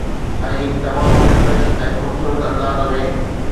۽ هڪ تمام دلکش ۽ خوبصورت انداز ۾